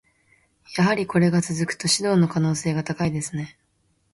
やはりこれが続くと、指導の可能性が高いですね。